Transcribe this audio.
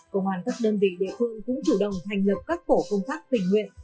công an các đơn vị địa phương cũng chủ động thành lập các tổ công tác tình nguyện